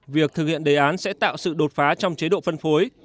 việc thực hiện đề án sẽ tạo sự đột phá trong chế độ phân phối